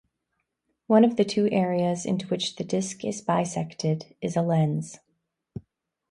One of the two areas into which the disk is bisected is a lens.